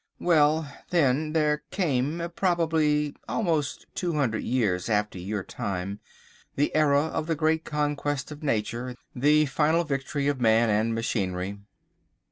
Well, then, there came, probably almost two hundred years after your time, the Era of the Great Conquest of Nature, the final victory of Man and Machinery."